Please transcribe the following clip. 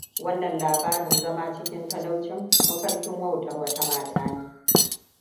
Wannan labarin zama cikin talaucin, mafarkin wautar wata mata ne.